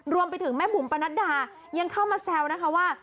รวมไปถึงแม่บุ๋มปนัดดายังเข้ามาแซวนะคะว่า